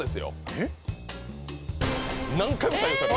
えっ